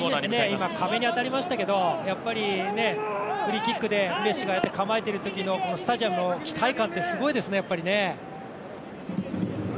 今、壁に当たりましたけど、やっぱりフリーキックでメッシがやって構えてるときのスタジアムの期待感ってすごいですね。